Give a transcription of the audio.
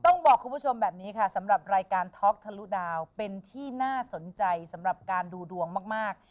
ต้องบอกคุณผู้ชมแบบนี้ค่ะสำหรับรายการท็อกทะลุดาวเป็นที่น่าสนใจสำหรับการดูดวงมาก